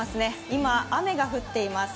今、雨が降っています。